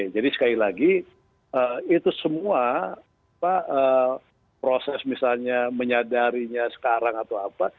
jadi sekali lagi itu semua proses misalnya menyadarinya sekarang atau apa